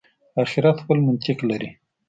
آخرت خپل منطق لري.